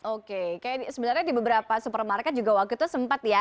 oke sebenarnya di beberapa supermarket juga waktu itu sempat ya